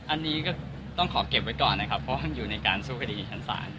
อันนี้ก็ต้องเก็บไว้ก่อนนะครับเพราะการสู้คดีชั้นศาล